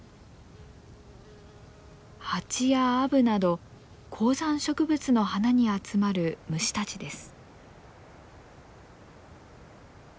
ハチやアブなど高山植物の花に集まる虫たちです。